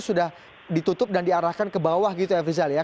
sudah ditutup dan diarahkan ke bawah gitu efri zal ya